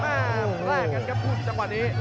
อ้าวแรกกันครับพุทธจังหวะนี้